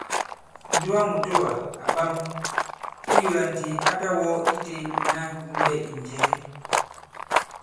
Ǹdugamùtowà à ɓam ; ìnyula ndi a ta wɔ ite ìna nyũɓɛ ì njɛ̀ɛ.